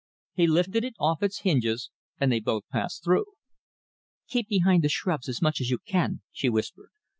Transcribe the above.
He lifted it off its hinges, and they both passed through. "Keep behind the shrubs as much as you can," she whispered.